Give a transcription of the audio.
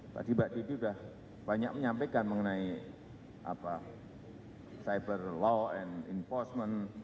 pak dibak didi sudah banyak menyampaikan mengenai cyber law and enforcement